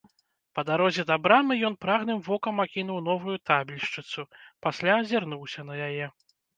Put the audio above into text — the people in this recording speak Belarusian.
Па дарозе да брамы ён прагным вокам акінуў новую табельшчыцу, пасля азірнуўся на яе.